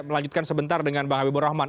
melanjutkan sebentar dengan bang habibur rahman